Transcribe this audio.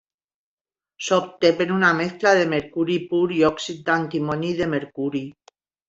S'obté per una mescla de mercuri pur i òxid d'antimoni de mercuri.